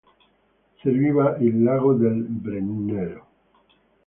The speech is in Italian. Serviva il Lago del Brennero.